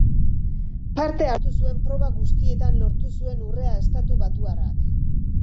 Parte hartu zuen proba guztietan lortu zuen urrea estatubatuarrak.